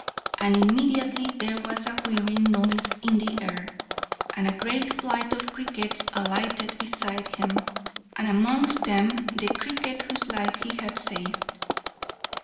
And immediately there was a whirring noise in the air, and a great flight of crickets alighted beside him, and amongst them the cricket whose life he had saved.